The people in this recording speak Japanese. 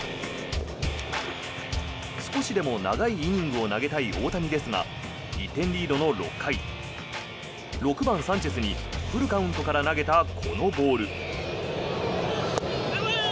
少しでも長いイニングを投げたい大谷ですが１点リードの６回６番、サンチェスにフルカウントから投げたこのボール。